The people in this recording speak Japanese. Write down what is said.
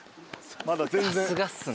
さすがっすね。